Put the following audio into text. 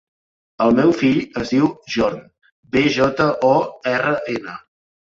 El meu fill es diu Bjorn: be, jota, o, erra, ena.